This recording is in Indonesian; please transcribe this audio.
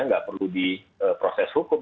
tidak perlu di proses hukum